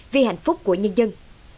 vì hạnh phúc của nhân dân